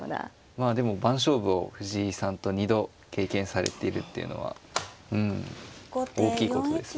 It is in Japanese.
まあでも番勝負を藤井さんと２度経験されているっていうのはうん大きいことですね。